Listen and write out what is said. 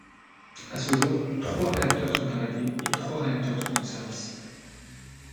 À ce jour, trois réacteurs sont arrêtés et trois réacteurs sont en service.